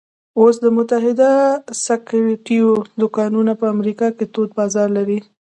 اوس د متحده سګرېټو دوکانونه په امریکا کې تود بازار لري